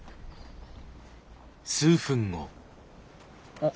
あっ。